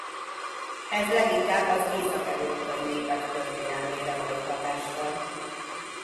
Ez leginkább az észak-európai népek történelmére volt hatással.